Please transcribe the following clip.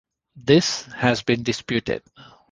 This has been disputed.